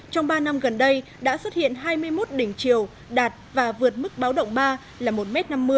trong ba năm gần đây đã xuất hiện hai mươi một đỉnh chiều đạt và vượt mức báo động ba là một m năm mươi